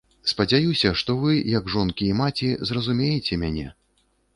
Спадзяюся, што вы, як жонкі і маці, зразумееце мяне.